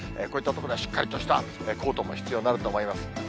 こういった所では、しっかりとしたコートも必要になると思います。